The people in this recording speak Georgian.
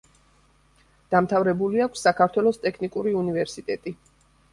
დამთავრებული აქვს საქართველოს ტექნიკური უნივერსიტეტი.